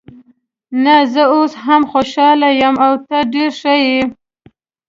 نه، زه اوس هم خوشحاله یم او ته ډېره ښه یې.